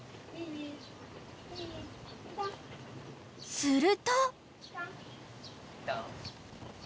［すると］